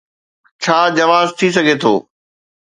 ڇا جواز ٿي سگهي ٿو؟'